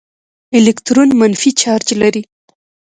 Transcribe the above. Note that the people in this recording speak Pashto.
الکترون منفي چارج لري.